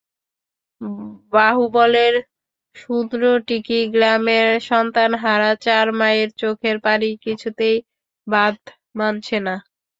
বাহুবলের সুন্দ্রাটিকি গ্রামের সন্তানহারা চার মায়ের চোখের পানি কিছুতেই বাঁধ মানছে না।